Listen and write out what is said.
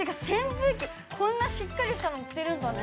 こんなしっかりしたの売ってるんだね。